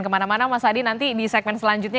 kemana mana mas adi nanti di segmen selanjutnya